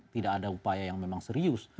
tidak ada upaya yang memang serius